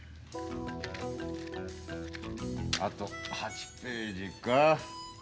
あと８ページか。